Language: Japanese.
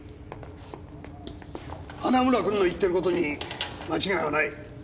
花村君の言ってる事に間違いはない。